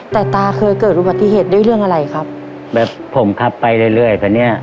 แต่ตาเคยเกิดอุบัติเหตุด้วยเรื่องอะไรครับแบบผมขับไปเรื่อยเรื่อยตอนเนี้ย